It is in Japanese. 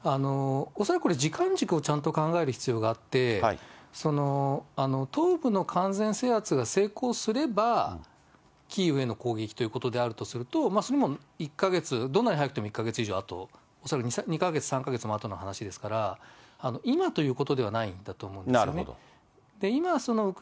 恐らくこれ、時間軸をちゃんと考える必要があって、東部の完全制圧が成功すれば、キーウへの攻撃ということであるとすると、それも１か月、どんなに早くても１か月以上あと、恐らく２か月、３か月あとの話ですから、今ということではないんだと思うんですよね。